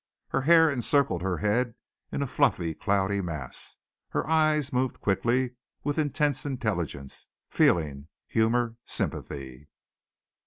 Her hair encircled her head in a fluffy cloudy mass; her eyes moved quickly, with intense intelligence, feeling, humor, sympathy.